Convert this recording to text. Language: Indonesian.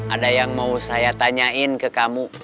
ada yang mau saya tanyain ke kamu